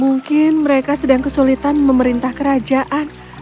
mungkin mereka sedang kesulitan memerintah kerajaan